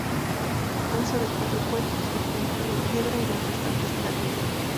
Consta de cuatro cuerpos, el primero de piedra y los restantes de ladrillo.